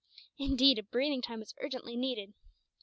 Indeed, a breathing time was urgently needed.